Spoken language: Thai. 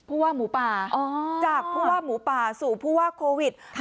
ผู้ว่าหมูป่าจากผู้ว่าหมูป่าสู่ผู้ว่าโควิด